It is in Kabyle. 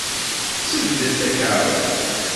Ssebded takeṛṛust.